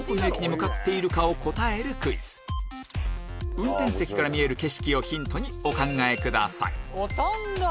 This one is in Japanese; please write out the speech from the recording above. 運転席から見える景色をヒントにお考えください五反田！